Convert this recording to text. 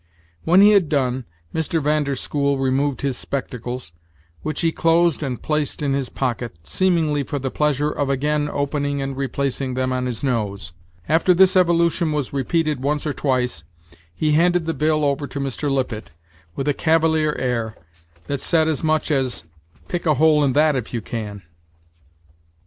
When he had done, Mr. Van der School removed his spectacles, which he closed and placed in his pocket, seemingly for the pleasure of again opening and replacing them on his nose, After this evolution was repeated once or twice, he handed the bill over to Mr. Lippet, with a cavalier air, that said as much as "Pick a hole in that if you can."